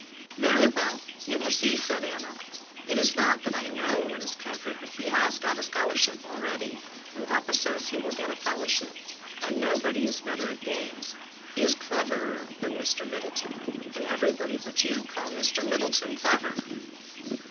"Very well, you will see," said Anna. "It is not that I know what is clever, but he has got a scholarship already, and papa says he will get a fellowship, and nobody is better at games. He is cleverer than Mr. Middleton, and everybody but you call Mr. Middleton clever."